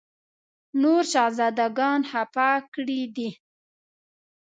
نور شهزاده ګان خپه کړي دي.